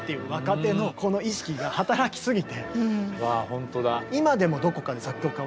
本当だ。